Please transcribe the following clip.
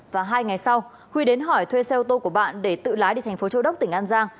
và hai ngày sau huy đến hỏi thuê xe ô tô của bạn để tự lái đi thành phố châu đốc tỉnh an giang